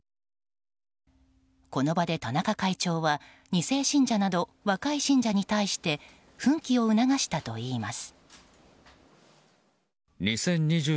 この場で田中会長は２世信者など若い信者に対して奮起を促したといいます。